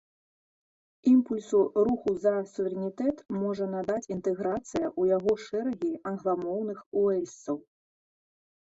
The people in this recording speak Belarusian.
Імпульсу руху за суверэнітэт можа надаць інтэграцыя ў яго шэрагі англамоўных уэльсцаў.